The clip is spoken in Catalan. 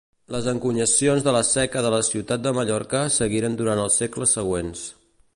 Les encunyacions de la seca de la Ciutat de Mallorca seguiren durant els segles següents.